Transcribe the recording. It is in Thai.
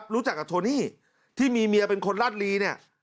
รู้จักกับทอนี่ที่มีเมียเป็นคนราตรี